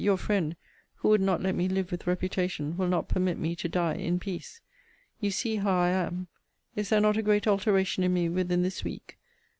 Your friend, who would not let me live with reputation, will not permit me to die in peace. You see how I am. Is there not a great alteration in me within this week!